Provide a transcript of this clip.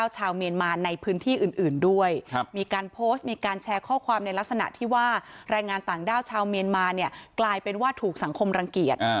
แชร์ข้อความในลักษณะที่ว่าแรงงานต่างด้าวชาวเมียนมากลายเป็นว่าถูกสังคมรังเกียจ